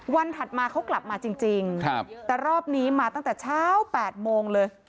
ถัดมาเขากลับมาจริงแต่รอบนี้มาตั้งแต่เช้า๘โมงเลย